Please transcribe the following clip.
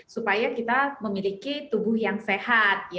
supaya kita memiliki tubuh yang sehat